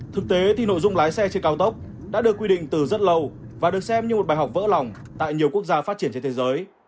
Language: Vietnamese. thực tế thì nội dung lái xe trên cao tốc đã được quy định từ rất lâu và được xem như một bài học vỡ lòng tại nhiều quốc gia phát triển trên thế giới